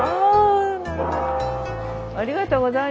ありがとうございます。